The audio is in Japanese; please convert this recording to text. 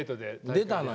出たのよ。